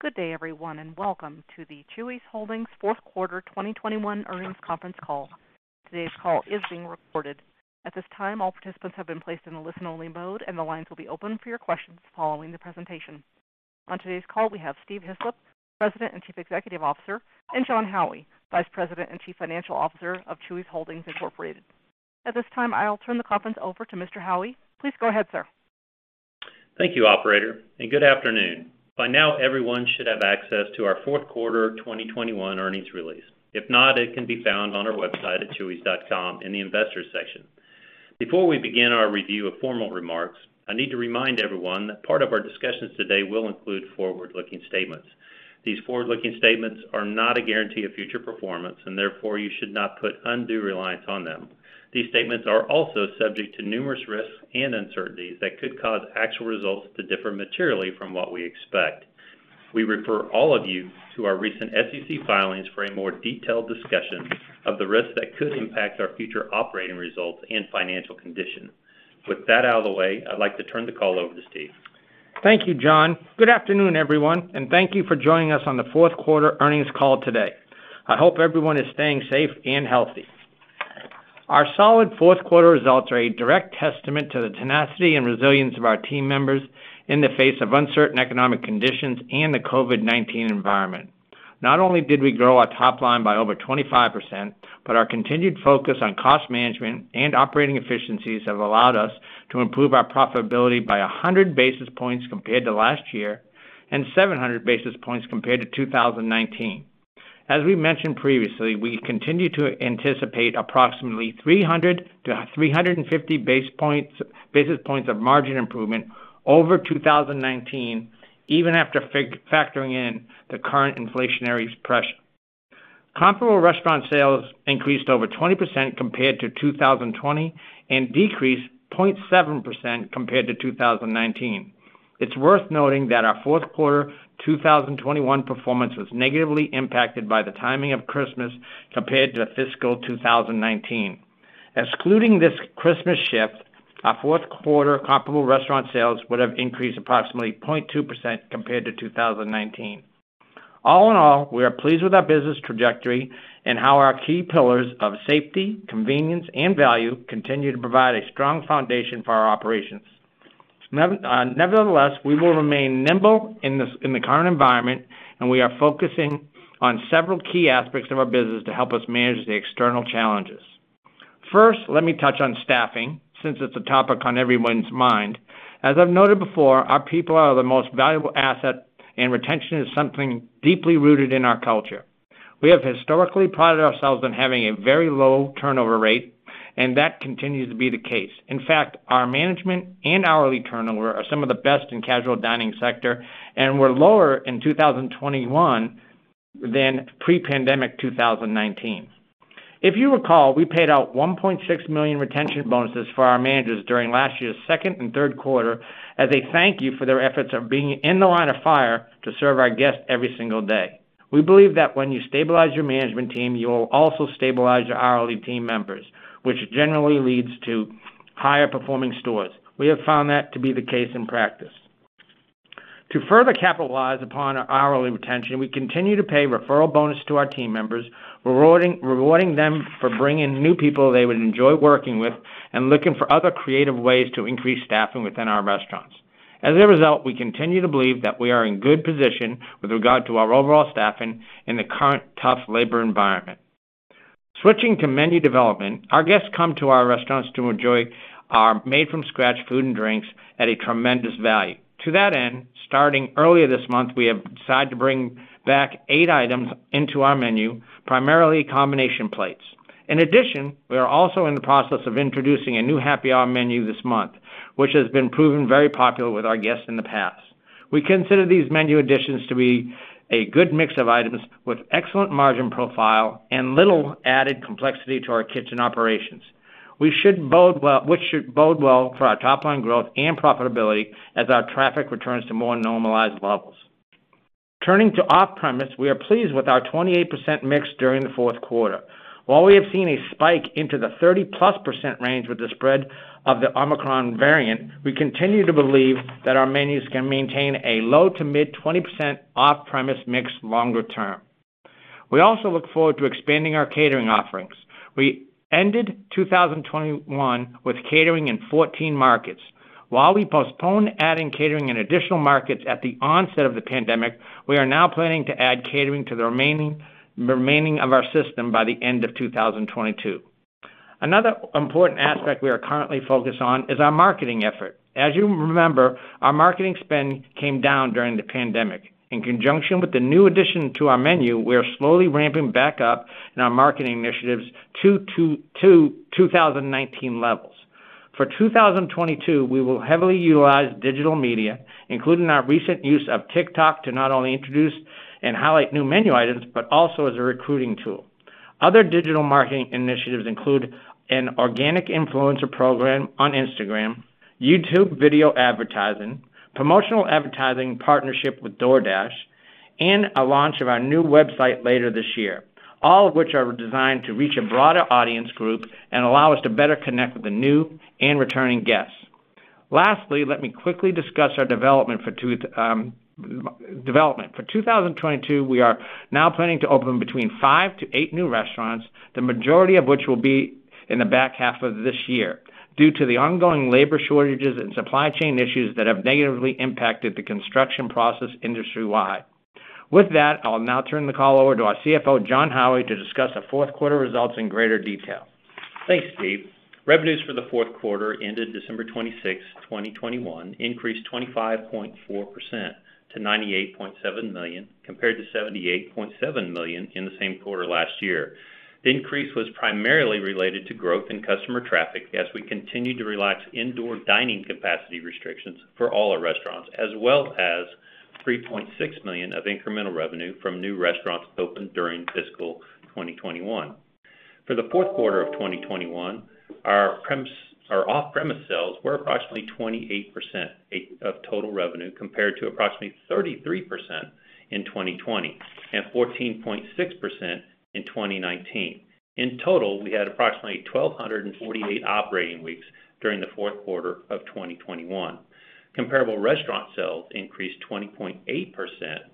Good day, everyone, and welcome to the Chuy's Holdings Fourth Quarter 2021 Earnings Conference Call. Today's call is being recorded. At this time, all participants have been placed in a listen-only mode, and the lines will be open for your questions following the presentation. On today's call, we have Steve Hislop, President and Chief Executive Officer, and Jon Howie, Vice President and Chief Financial Officer of Chuy's Holdings, Incorporated. At this time, I'll turn the conference over to Mr. Howie. Please go ahead, sir. Thank you, operator, and good afternoon. By now, everyone should have access to our fourth quarter 2021 earnings release. If not, it can be found on our website at chuys.com in the investors section. Before we begin our review of formal remarks, I need to remind everyone that part of our discussions today will include forward-looking statements. These forward-looking statements are not a guarantee of future performance, and therefore, you should not put undue reliance on them. These statements are also subject to numerous risks and uncertainties that could cause actual results to differ materially from what we expect. We refer all of you to our recent SEC filings for a more detailed discussion of the risks that could impact our future operating results and financial condition. With that out of the way, I'd like to turn the call over to Steve. Thank you, Jon. Good afternoon, everyone, and thank you for joining us on the fourth quarter earnings call today. I hope everyone is staying safe and healthy. Our solid fourth quarter results are a direct testament to the tenacity and resilience of our team members in the face of uncertain economic conditions and the COVID-19 environment. Not only did we grow our top line by over 25%, but our continued focus on cost management and operating efficiencies have allowed us to improve our profitability by 100 basis points compared to last year and 700 basis points compared to 2019. As we mentioned previously, we continue to anticipate approximately 300 basis points-350 basis points of margin improvement over 2019, even after factoring in the current inflationary pressure. Comparable restaurant sales increased over 20% compared to 2020 and decreased 0.7% compared to 2019. It's worth noting that our fourth quarter 2021 performance was negatively impacted by the timing of Christmas compared to fiscal 2019. Excluding this Christmas shift, our fourth quarter comparable restaurant sales would have increased approximately 0.2% compared to 2019. All in all, we are pleased with our business trajectory and how our key pillars of safety, convenience, and value continue to provide a strong foundation for our operations. Nevertheless, we will remain nimble in the current environment, and we are focusing on several key aspects of our business to help us manage the external challenges. First, let me touch on staffing since it's a topic on everyone's mind. As I've noted before, our people are the most valuable asset, and retention is something deeply rooted in our culture. We have historically prided ourselves on having a very low turnover rate, and that continues to be the case. In fact, our management and hourly turnover are some of the best in casual dining sector and were lower in 2021 than pre-pandemic, 2019. If you recall, we paid out $1.6 million retention bonuses for our managers during last year's second and third quarter as a thank you for their efforts of being in the line of fire to serve our guests every single day. We believe that when you stabilize your management team, you will also stabilize your hourly team members, which generally leads to higher performing stores. We have found that to be the case in practice. To further capitalize upon our hourly retention, we continue to pay referral bonus to our team members, rewarding them for bringing new people they would enjoy working with and looking for other creative ways to increase staffing within our restaurants. As a result, we continue to believe that we are in good position with regard to our overall staffing in the current tough labor environment. Switching to menu development, our guests come to our restaurants to enjoy our made from scratch food and drinks at a tremendous value. To that end, starting earlier this month, we have decided to bring back eight items into our menu, primarily combination plates. In addition, we are also in the process of introducing a new happy hour menu this month, which has been proven very popular with our guests in the past. We consider these menu additions to be a good mix of items with excellent margin profile and little added complexity to our kitchen operations. We should bode well for our top line growth and profitability as our traffic returns to more normalized levels. Turning to off-premise, we are pleased with our 28% mix during the fourth quarter. While we have seen a spike into the 30%+ range with the spread of the Omicron variant, we continue to believe that our menus can maintain a low- to mid-20% off-premise mix longer term. We also look forward to expanding our catering offerings. We ended 2021 with catering in 14 markets. While we postponed adding catering in additional markets at the onset of the pandemic, we are now planning to add catering to the remaining of our system by the end of 2022. Another important aspect we are currently focused on is our marketing effort. As you remember, our marketing spend came down during the pandemic. In conjunction with the new addition to our menu, we are slowly ramping back up in our marketing initiatives to 2019 levels. For 2022, we will heavily utilize digital media, including our recent use of TikTok to not only introduce and highlight new menu items but also as a recruiting tool. Other digital marketing initiatives include an organic influencer program on Instagram, YouTube video advertising, promotional advertising partnership with DoorDash. A launch of our new website later this year. All of which are designed to reach a broader audience group and allow us to better connect with the new and returning guests. Lastly, let me quickly discuss our development for 2022. For 2022, we are now planning to open between five to eight new restaurants, the majority of which will be in the back half of this year, due to the ongoing labor shortages and supply chain issues that have negatively impacted the construction process industry-wide. With that, I'll now turn the call over to our Chief Financial Officer, Jon Howie, to discuss the fourth quarter results in greater detail. Thanks, Steve. Revenues for the fourth quarter ended December 26th, 2021, increased 25.4% to $98.7 million, compared to $78.7 million in the same quarter last year. The increase was primarily related to growth in customer traffic as we continued to relax indoor dining capacity restrictions for all our restaurants, as well as $3.6 million of incremental revenue from new restaurants opened during fiscal 2021. For the fourth quarter of 2021, our off-premise sales were approximately 28% of total revenue, compared to approximately 33% in 2020 and 14.6% in 2019. In total, we had approximately 1,248 operating weeks during the fourth quarter of 2021. Comparable restaurant sales increased 20.8%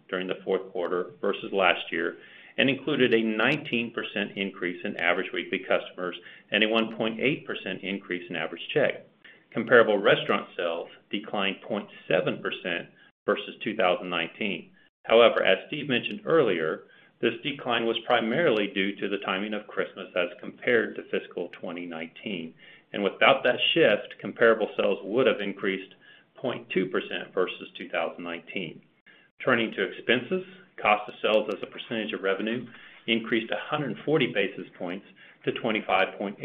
during the fourth quarter versus last year, and included a 19% increase in average weekly customers and a 1.8% increase in average check. Comparable restaurant sales declined 0.7% versus 2019. However, as Steve mentioned earlier, this decline was primarily due to the timing of Christmas as compared to fiscal 2019. Without that shift, comparable sales would have increased 0.2% versus 2019. Turning to expenses, cost of sales as a percentage of revenue increased 140 basis points to 25.8%,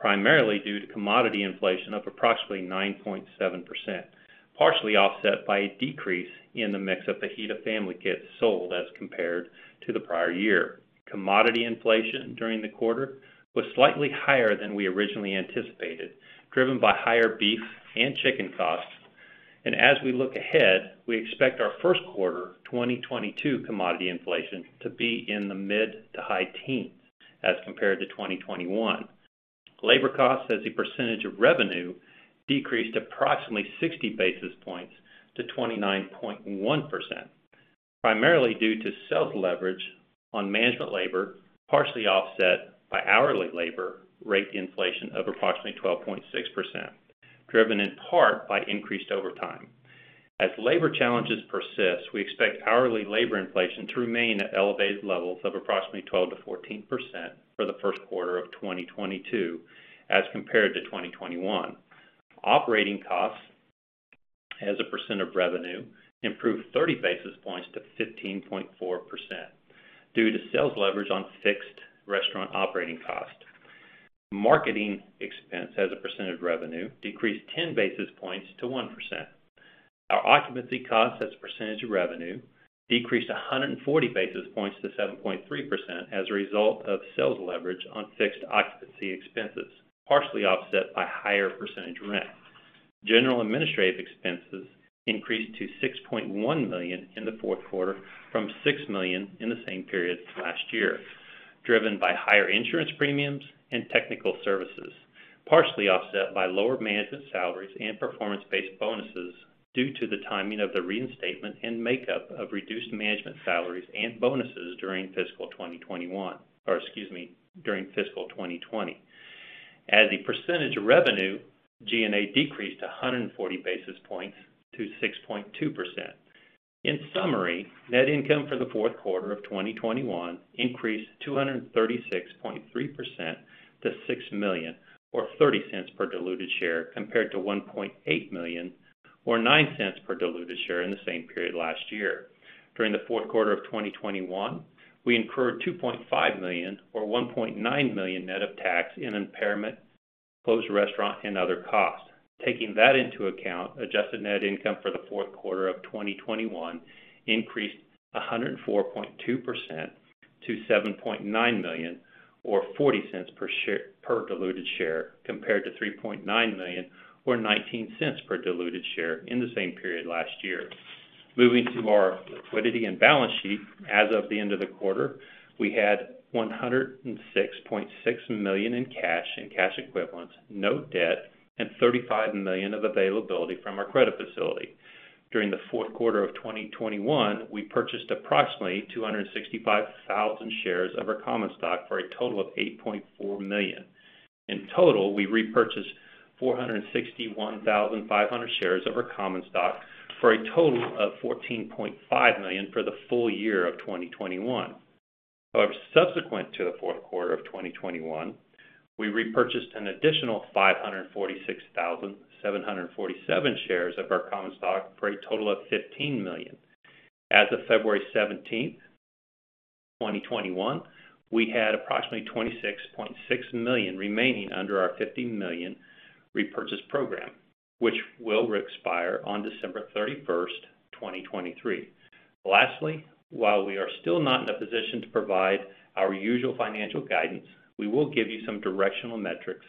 primarily due to commodity inflation of approximately 9.7%, partially offset by a decrease in the mix of Fajita Family Kits sold as compared to the prior year. Commodity inflation during the quarter was slightly higher than we originally anticipated, driven by higher beef and chicken costs. As we look ahead, we expect our first quarter 2022 commodity inflation to be in the mid- to high teens as compared to 2021. Labor costs as a percentage of revenue decreased approximately 60 basis points to 29.1%, primarily due to sales leverage on management labor, partially offset by hourly labor rate inflation of approximately 12.6%, driven in part by increased overtime. As labor challenges persist, we expect hourly labor inflation to remain at elevated levels of approximately 12%-14% for the first quarter of 2022 as compared to 2021. Operating costs as a percent of revenue improved 30 basis points to 15.4% due to sales leverage on fixed restaurant operating costs. Marketing expense as a percent of revenue decreased 10 basis points to 1%. Our occupancy cost as a percentage of revenue decreased 140 basis points to 7.3% as a result of sales leverage on fixed occupancy expenses, partially offset by higher percentage rent. General and administrative expenses increased to $6.1 million in the fourth quarter from $6 million in the same period last year, driven by higher insurance premiums and technical services, partially offset by lower management salaries and performance-based bonuses due to the timing of the reinstatement and makeup of reduced management salaries and bonuses during fiscal 2021. Or excuse me, during fiscal 2020. As a percentage of revenue, G&A decreased 140 basis points to 6.2%. In summary, net income for the fourth quarter of 2021 increased 236.3% to $6 million or $0.30 per diluted share, compared to $1.8 million or $0.09 per diluted share in the same period last year. During the fourth quarter of 2021, we incurred $2.5 million or $1.9 million net of tax in impairment, closed restaurant and other costs. Taking that into account, adjusted net income for the fourth quarter of 2021 increased 104.2% to $7.9 million or $0.40 per share per diluted share, compared to $3.9 million or $0.19 per diluted share in the same period last year. Moving to our liquidity and balance sheet, as of the end of the quarter, we had $106.6 million in cash and cash equivalents, no debt, and $35 million of availability from our credit facility. During the fourth quarter of 2021, we purchased approximately 265,000 shares of our common stock for a total of $8.4 million. In total, we repurchased 461,500 shares of our common stock for a total of $14.5 million for the full year of 2021. However, subsequent to the fourth quarter of 2021, we repurchased an additional 546,747 shares of our common stock for a total of $15 million. As of February 17th, 2021, we had approximately $26.6 million remaining under our $50 million repurchase program, which will re-expire on December 31st, 2023. Lastly, while we are still not in a position to provide our usual financial guidance, we will give you some directional metrics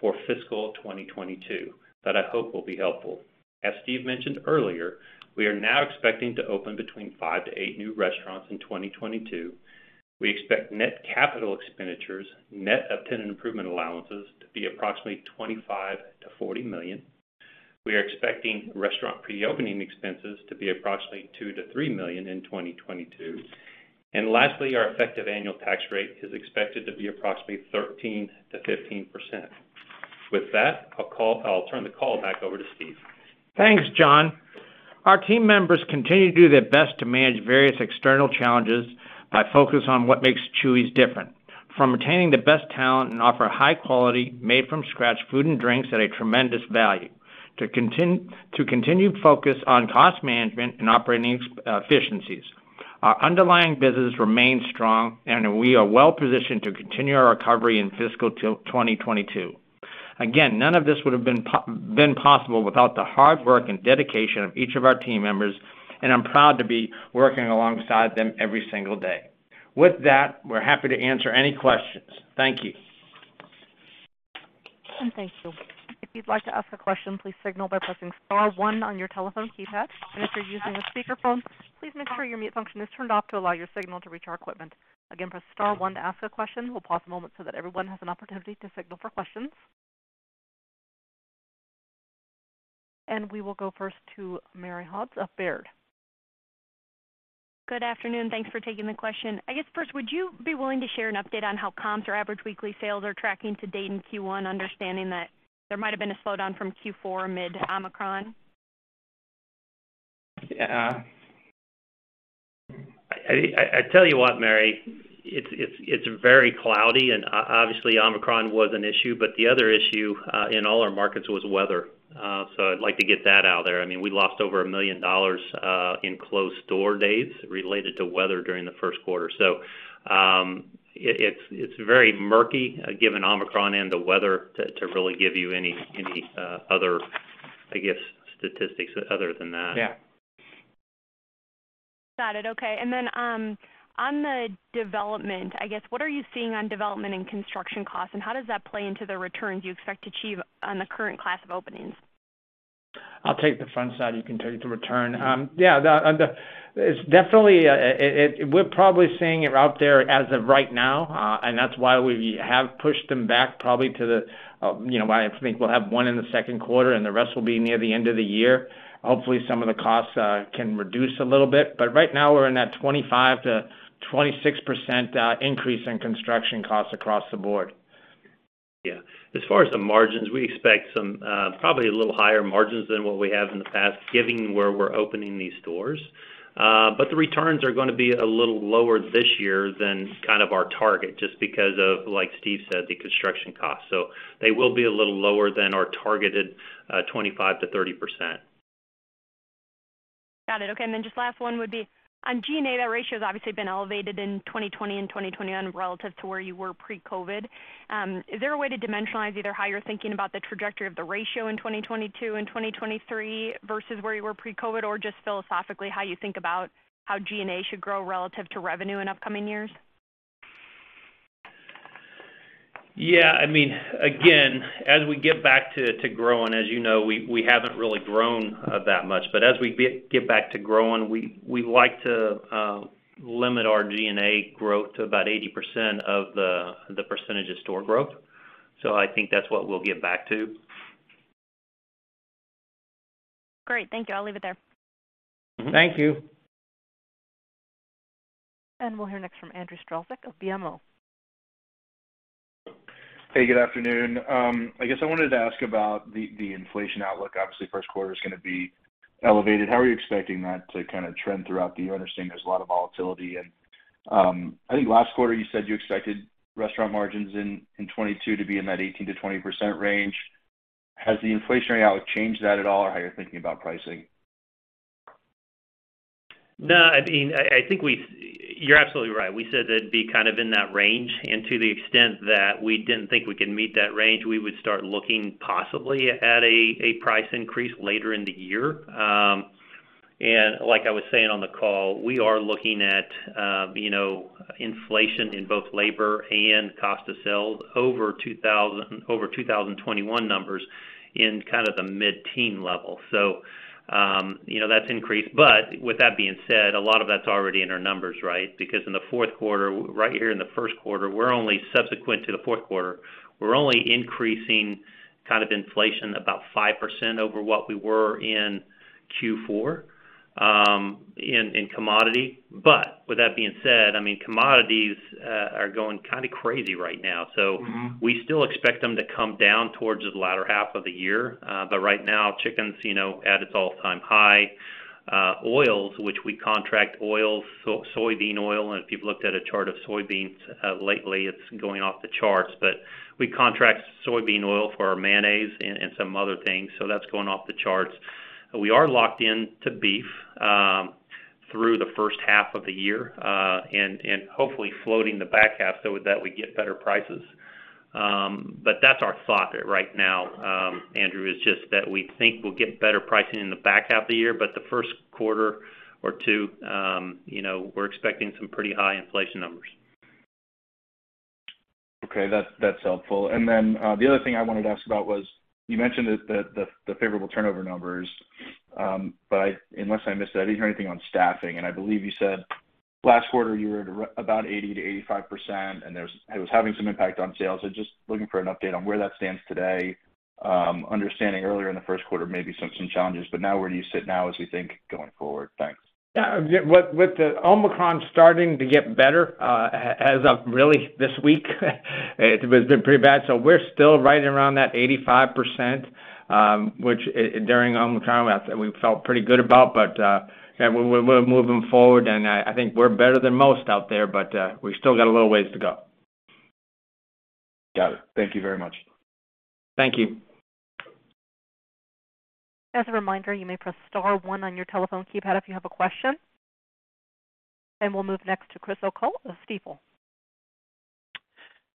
for fiscal 2022 that I hope will be helpful. As Steve mentioned earlier, we are now expecting to open between five to eight new restaurants in 2022. We expect net capital expenditures, net of tenant improvement allowances to be approximately $25 million-$40 million. We are expecting restaurant pre-opening expenses to be approximately $2 million-$3 million in 2022. Lastly, our effective annual tax rate is expected to be approximately 13%-15%. With that, I'll turn the call back over to Steve. Thanks, Jon. Our team members continue to do their best to manage various external challenges by focus on what makes Chuy's different. From attaining the best talent and offer high quality made from scratch food and drinks at a tremendous value to continue focus on cost management and operating efficiencies. Our underlying business remains strong, and we are well-positioned to continue our recovery in fiscal till 2022. Again, none of this would have been possible without the hard work and dedication of each of our team members, and I'm proud to be working alongside them every single day. With that, we're happy to answer any questions. Thank you. Thank you. If you'd like to ask a question, please signal by pressing star one on your telephone keypad. If you're using a speakerphone, please make sure your mute function is turned off to allow your signal to reach our equipment. Again, press star one to ask a question. We'll pause a moment so that everyone has an opportunity to signal for questions. We will go first to Mary Hodes of Baird. Good afternoon. Thanks for taking the question. I guess first, would you be willing to share an update on how comps or average weekly sales are tracking to date in Q1, understanding that there might have been a slowdown from Q4 mid Omicron? Yeah. I tell you what, Mary, it's very cloudy and obviously Omicron was an issue, but the other issue in all our markets was weather. So I'd like to get that out there. I mean, we lost over $1 million in closed door days related to weather during the first quarter. It's very murky given Omicron and the weather to really give you any other, I guess, statistics other than that. Yeah. Got it. Okay. On the development, I guess, what are you seeing on development and construction costs, and how does that play into the returns you expect to achieve on the current class of openings? I'll take the front side, you can take the return. It's definitely, we're probably seeing it out there as of right now, and that's why we have pushed them back probably to the, you know, I think we'll have one in the second quarter and the rest will be near the end of the year. Hopefully, some of the costs can reduce a little bit. Right now, we're in that 25%-26% increase in construction costs across the board. Yeah. As far as the margins, we expect some probably a little higher margins than what we have in the past, given where we're opening these stores. The returns are gonna be a little lower this year than kind of our target just because of, like Steve said, the construction costs. They will be a little lower than our targeted 25%-30%. Got it. Okay. Just last one would be on G&A, that ratio has obviously been elevated in 2020 and 2021 relative to where you were pre-COVID. Is there a way to dimensionalize either how you're thinking about the trajectory of the ratio in 2022 and 2023 versus where you were pre-COVID, or just philosophically, how you think about how G&A should grow relative to revenue in upcoming years? Yeah. I mean, again, as we get back to growing, as you know, we haven't really grown that much. As we get back to growing, we like to limit our G&A growth to about 80% of the percentage of store growth. I think that's what we'll get back to. Great. Thank you. I'll leave it there. Thank you. We'll hear next from Andrew Strelzik of BMO Capital Markets. Hey, good afternoon. I guess I wanted to ask about the inflation outlook. Obviously, first quarter is gonna be elevated. How are you expecting that to kind of trend throughout the year? Understanding there's a lot of volatility. I think last quarter you said you expected restaurant margins in 2022 to be in that 18%-20% range. Has the inflationary outlook changed that at all, or how you're thinking about pricing? No. I mean, I think we've. You're absolutely right. We said that it'd be kind of in that range. To the extent that we didn't think we could meet that range, we would start looking possibly at a price increase later in the year. Like I was saying on the call, we are looking at inflation in both labor and cost of sales over 2021 numbers in kind of the mid-teens level. That's increased. With that being said, a lot of that's already in our numbers, right? Because in the fourth quarter, right here in the first quarter, we're only subsequent to the fourth quarter. We're only increasing kind of inflation about 5% over what we were in Q4 in commodity. With that being said, I mean, commodities are going kind of crazy right now. Mm-hmm. We still expect them to come down towards the latter half of the year. Right now, chicken's, you know, at its all-time high. Oils, which we contract, soybean oil, and if you've looked at a chart of soybeans lately, it's going off the charts. We contract soybean oil for our mayonnaise and some other things, so that's going off the charts. We are locked in to beef through the first half of the year, and hopefully floating the back half so that we get better prices. That's our thought right now, Andrew, is just that we think we'll get better pricing in the back half of the year. The first quarter or two, you know, we're expecting some pretty high inflation numbers. Okay, that's helpful. Then, the other thing I wanted to ask about was you mentioned that the favorable turnover numbers. Unless I missed that, I didn't hear anything on staffing. I believe you said last quarter you were at about 80%-85%, and it was having some impact on sales. Just looking for an update on where that stands today, understanding earlier in the first quarter, maybe some challenges. Now, where do you sit now as we think going forward? Thanks. Yeah. With the Omicron starting to get better, as of really this week, it has been pretty bad. We're still right around that 85%, which, during Omicron, we felt pretty good about. We're moving forward, and I think we're better than most out there, but we still got a little ways to go. Got it. Thank you very much. Thank you. As a reminder, you may press star one on your telephone keypad if you have a question. We'll move next to Chris O'Cull of Stifel.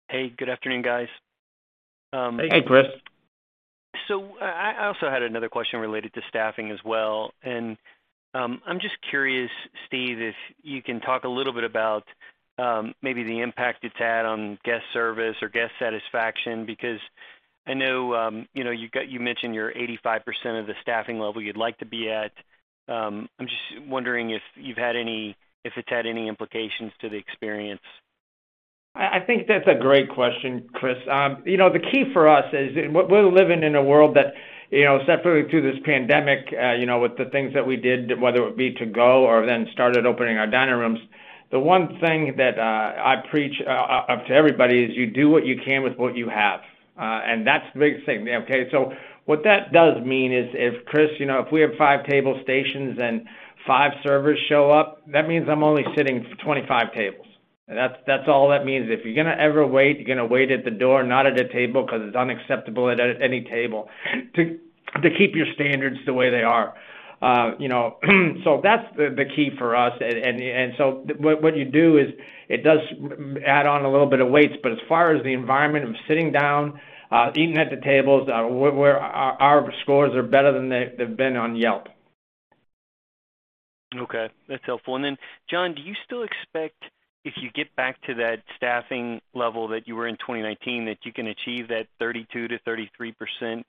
Hey, good afternoon, guys. Hey, Chris. I also had another question related to staffing as well. I'm just curious, Steve, if you can talk a little bit about maybe the impact it's had on guest service or guest satisfaction, because I know, you know, you mentioned you're 85% of the staffing level you'd like to be at. I'm just wondering if it's had any implications to the experience. I think that's a great question, Chris. You know, the key for us is we're living in a world that, you know, especially through this pandemic, with the things that we did, whether it be to go or then started opening our dining rooms, the one thing that I preach up to everybody is you do what you can with what you have. And that's the big thing. Okay. So what that does mean is if, Chris, you know, if we have five table stations and five servers show up, that means I'm only sitting 25 tables. That's all that means. If you're gonna ever wait, you're gonna wait at the door, not at a table, because it's unacceptable at any table to keep your standards the way they are. You know, that's the key for us. What you do is it does add on a little bit of waits, but as far as the environment of sitting down, eating at the tables, where our scores are better than they've been on Yelp. Okay, that's helpful. Jon, do you still expect if you get back to that staffing level that you were in 2019, that you can achieve that 32%-33%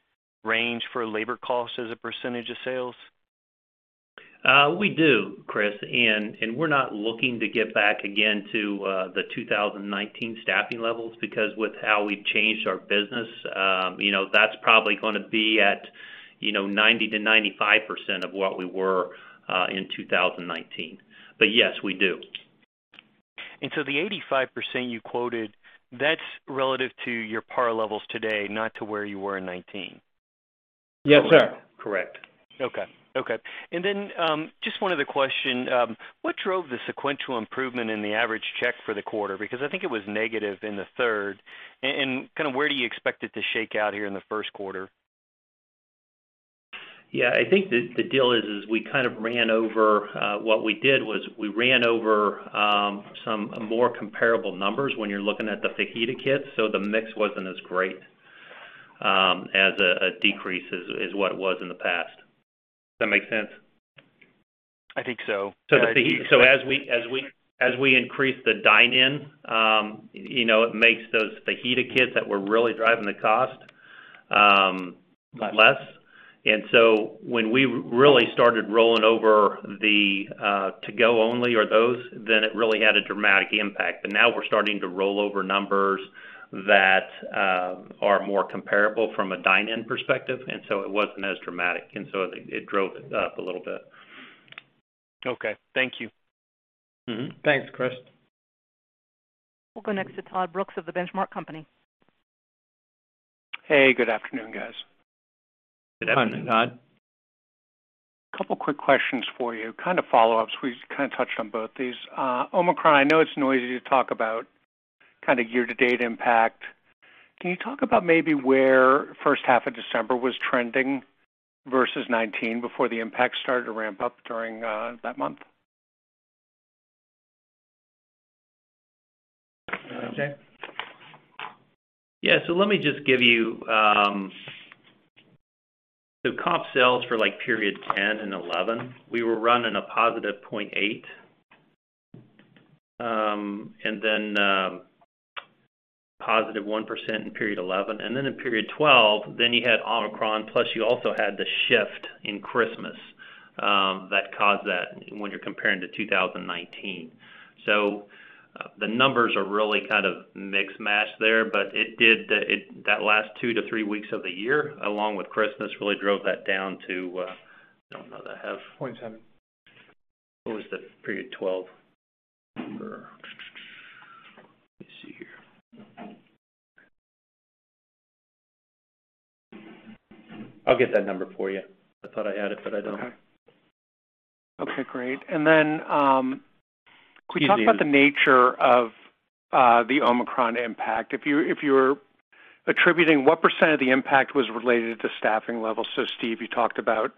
range for labor costs as a percentage of sales? We do, Chris. We're not looking to get back again to the 2019 staffing levels because with how we've changed our business, you know, that's probably gonna be at, you know, 90%-95% of what we were in 2019. Yes, we do. The 85% you quoted, that's relative to your par levels today, not to where you were in 2019. Yes, sir. Correct. Okay. Just one other question. What drove the sequential improvement in the average check for the quarter? Because I think it was negative in the third. Kind of, where do you expect it to shake out here in the first quarter? Yeah. I think the deal is. What we did was we ran over some more comparable numbers when you're looking at the fajita kit. The mix wasn't as great as a decrease as what it was in the past. Does that make sense? I think so. As we increase the dine-in, you know, it makes those fajita kits that were really driving the cost. Got it.... less. When we really started rolling over the to go only or those, then it really had a dramatic impact. Now we're starting to roll over numbers that are more comparable from a dine-in perspective, and so it wasn't as dramatic, and so it drove it up a little bit. Okay, thank you. Mm-hmm. Thanks, Chris. We'll go next to Todd Brooks of The Benchmark Company. Hey, good afternoon, guys. Good afternoon, Todd. A couple quick questions for you, kind of follow-ups. We kind of touched on both these. Omicron, I know it's noisy to talk about kind of year-to-date impact. Can you talk about maybe where first half of December was trending versus 2019 before the impact started to ramp up during that month? You want that, Jake? Let me just give you comp sales for like period 10 and period 11. We were running a positive 0.8%, and then positive 1% in period 11, and then in period 12, then you had Omicron, plus you also had the shift in Christmas that caused that when you're comparing to 2019. The numbers are really kind of mismatched there, but that last two to three weeks of the year, along with Christmas, really drove that down to, I don't know, the half- 0.7% What was the period 12 number? Let me see here. I'll get that number for you. I thought I had it, but I don't. Okay. Okay, great. Easy. Can we talk about the nature of the Omicron impact? If you're attributing what percent of the impact was related to staffing levels. Steve, you talked about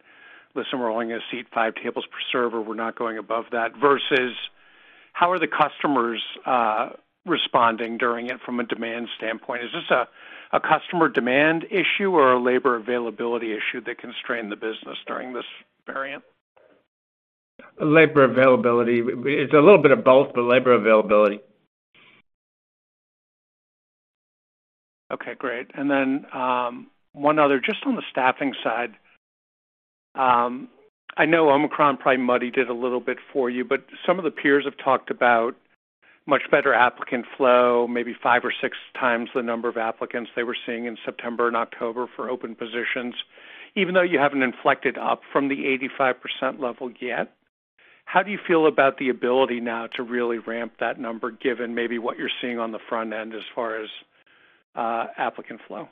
listen, we're only gonna seat five tables per server. We're not going above that. Versus how are the customers responding during it from a demand standpoint? Is this a customer demand issue or a labor availability issue that constrained the business during this variant? Labor availability. It's a little bit of both, but labor availability. Okay, great. One other. Just on the staffing side, I know Omicron probably muddied it a little bit for you, but some of the peers have talked about much better applicant flow, maybe 5x or 6x the number of applicants they were seeing in September and October for open positions. Even though you haven't inflected up from the 85% level yet, how do you feel about the ability now to really ramp that number, given maybe what you're seeing on the front end as far as applicant flow?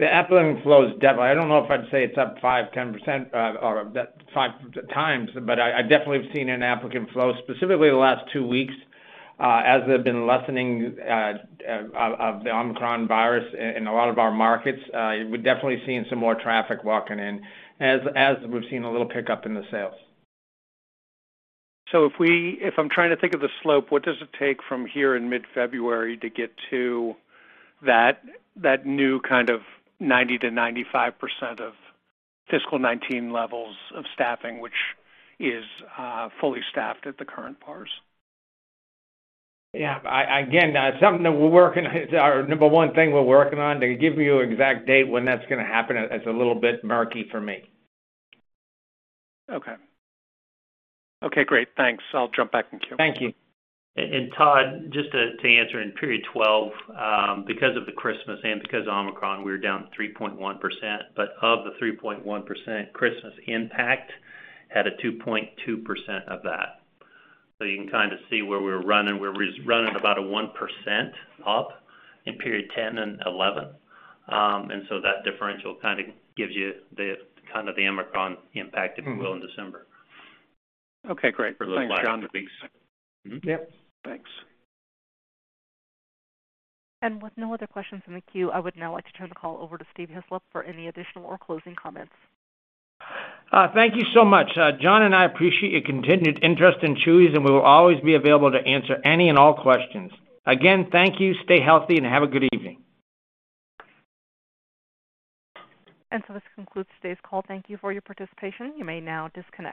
I don't know if I'd say it's up 5%-10% or up 5x, but I definitely have seen an applicant flow, specifically the last two weeks, as there have been lessening of the Omicron virus in a lot of our markets. We're definitely seeing some more traffic walking in, as we've seen a little pickup in the sales. If I'm trying to think of the slope, what does it take from here in mid-February to get to that new kind of 90%-95% of fiscal 2019 levels of staffing, which is fully staffed at the current pars? Yeah. I, again, something that we're working on. It's our number one thing we're working on. To give you an exact date when that's gonna happen, it's a little bit murky for me. Okay. Okay, great. Thanks. I'll jump back in queue. Thank you. Todd, just to answer in period 12, because of the Christmas and because of Omicron, we were down 3.1%. Of the 3.1%, Christmas impact had a 2.2% of that. You can kind of see where we're running. We're running about a 1% up in period 10 and period 11. That differential kind of gives you the Omicron impact- Mm-hmm. If you will, in December. Okay, great. For the last two weeks. Thanks, Jon. Mm-hmm. Yep, thanks. With no other questions in the queue, I would now like to turn the call over to Steve Hislop for any additional or closing comments. Thank you so much. Jon and I appreciate your continued interest in Chuy's, and we will always be available to answer any and all questions. Again, thank you, stay healthy, and have a good evening. This concludes today's call. Thank you for your participation. You may now disconnect.